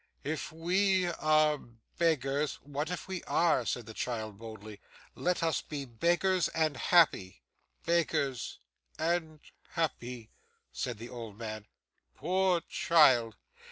If we are beggars !' 'What if we are?' said the child boldly. 'Let us be beggars, and be happy.' 'Beggars and happy!' said the old man. 'Poor child!